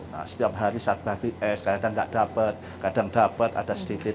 nah setiap hari saya bagi es kadang nggak dapat kadang dapat ada sedikit